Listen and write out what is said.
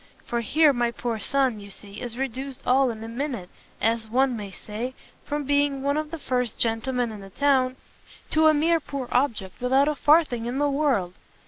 For here my poor son, you see, is reduced all in a minute, as one may say, from being one of the first gentlemen in the town, to a mere poor object, without a farthing in the world!"